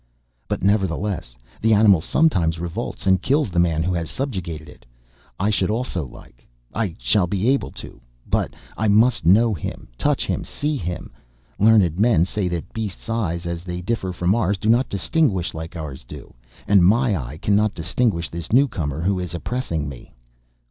But, nevertheless, the animal sometimes revolts and kills the man who has subjugated it.... I should also like ... I shall be able to ... but I must know him, touch him, see him! Learned men say that beasts' eyes, as they differ from ours, do not distinguish like ours do.... And my eye cannot distinguish this newcomer who is oppressing me.